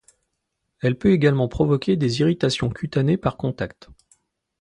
Elle peut également provoquer des irritations cutanées par contact.